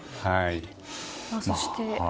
そして、